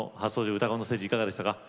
「うたコン」のステージいかがでしたか？